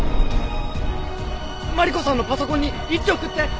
マリコさんのパソコンに位置送って！